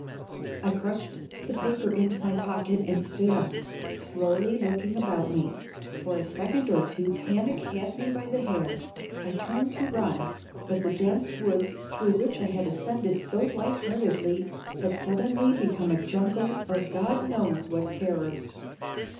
I crushed the paper into my pocket, and stood up, slowly looking about me. For a second or two panic had me by the hair. I turned to run, but the dense woods through which I had ascended so light heartedly had suddenly become a jungle of God knows what terrors.